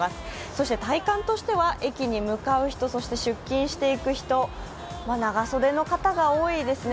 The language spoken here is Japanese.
そして体感としては、駅に向かう人そして出勤していく人長袖の形が多いですね。